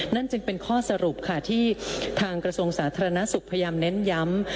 นั่นจึงเป็นข้อสรุปค่ะที่ทางกระทรวงสาธารณสุขพยายามเน้นย้ำ